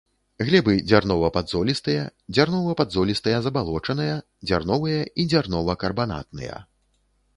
Глебы дзярнова-падзолістыя, дзярнова-падзолістыя забалочаныя, дзярновыя і дзярнова-карбанатныя.